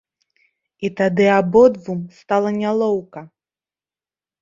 І тады абодвум стала нялоўка.